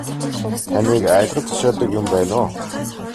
Таныг айлгаж цочоодог юм байна уу.